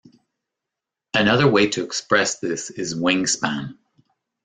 Another way to express this is wing span.